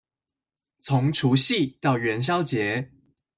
從除夕到元宵節